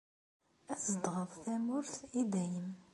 Ad tzedɣeḍ tamurt i dayem.